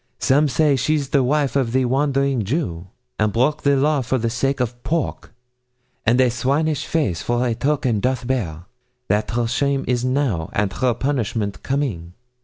Some say she's the wife of the Wandering Jew, And broke the law for the sake of pork; And a swinish face for a token doth bear, That her shame is now, and her punishment coming.'